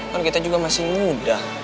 kan kita juga masih muda